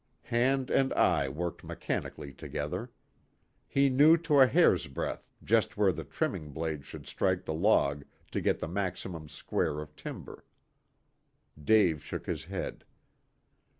Hand and eye worked mechanically together. He knew to a hairsbreadth just where the trimming blade should strike the log to get the maximum square of timber. Dave shook his head.